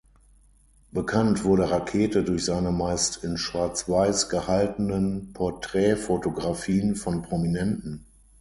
Bekannt wurde Rakete durch seine meist in Schwarz-Weiß gehaltenen Porträtfotografien von Prominenten.